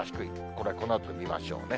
これ、このあと見ましょうね。